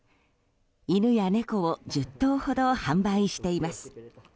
犬や猫を１０頭ほど販売しています。